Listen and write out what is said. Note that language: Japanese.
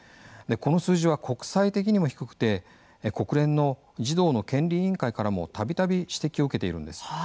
この数字は国際的にも低くて国連の児童の権利委員会からも度々指摘を受けているんです。